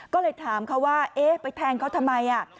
ก็เลยถามเขาว่าเอ๊ะไปแทงเขาทำไม